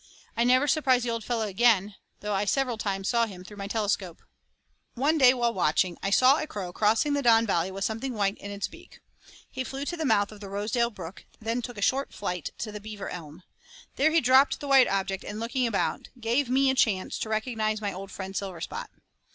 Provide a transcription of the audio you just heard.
I never surprised the old fellow again, though I several times saw him through my telescope. One day while watching I saw a crow crossing the Don Valley with something white in his beak. He flew to the mouth of the Rosedale Brook, then took a short flight to the Beaver Elm. There he dropped the white object, and looking about gave me a chance to recognize my old friend Silverspot.